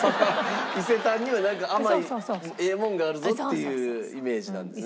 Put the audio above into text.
伊勢丹にはなんか甘いええものがあるぞっていうイメージなんですね。